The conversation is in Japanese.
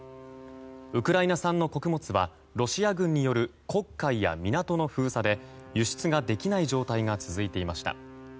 ウクライナ産の穀物はロシア軍による黒海や港の封鎖で輸出ができない状態が続いていました。